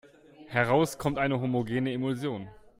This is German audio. Heraus kommt eine homogene Emulsion.